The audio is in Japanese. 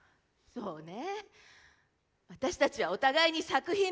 そうね。